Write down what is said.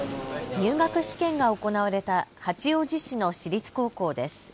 入学試験が行われた八王子市の私立高校です。